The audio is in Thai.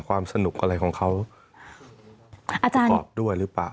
ความสนุกอะไรของเขาประกอบด้วยหรือเปล่า